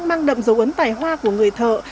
mang đậm dấu ấn tài hoa của người thợ